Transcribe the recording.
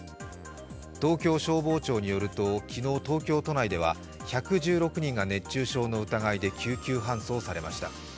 東京消防庁によると、昨日東京都内では１１６人が熱中症の疑いで救急搬送されました。